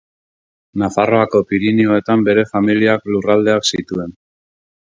Nafarroako Pirinioetan bere familiak lurraldeak zituen.